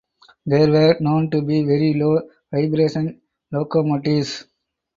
They were known to be very low vibration locomotives.